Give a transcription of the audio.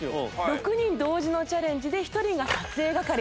６人同時のチャレンジで１人が撮影係。